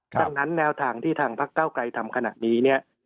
ดังนั้นแนวทางที่ทางพักก้าวกลายทำขนาดนี้